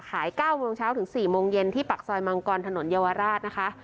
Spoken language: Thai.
๙โมงเช้าถึง๔โมงเย็นที่ปากซอยมังกรถนนเยาวราชนะคะ